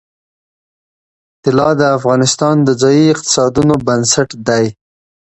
طلا د افغانستان د ځایي اقتصادونو بنسټ دی.